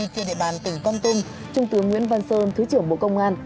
trên địa bàn tỉnh công tùng trung tướng nguyễn văn sơn thứ trưởng bộ công an